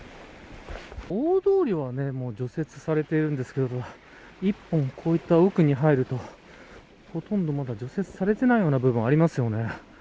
大通りは、もう除雪されているんですけども１本こういった奥に入るとほとんどまだ除雪されていないような部分がありますよね。